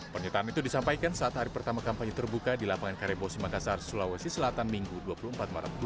penyertaan itu disampaikan saat hari pertama kampanye terbuka di lapangan karebo simakasar sulawesi selatan minggu dua puluh empat maret dua ribu sembilan belas